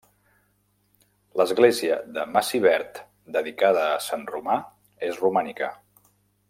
L'església de Massivert, dedicada a sant Romà, és romànica.